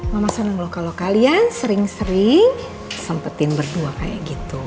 mama senang loh kalau kalian sering sering sempetin berdua kayak gitu